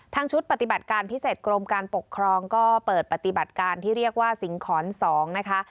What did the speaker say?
ชุดปฏิบัติการพิเศษกรมการปกครองก็เปิดปฏิบัติการที่เรียกว่าสิงหอน๒นะคะ